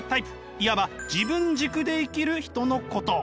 いわば自分軸で生きる人のこと。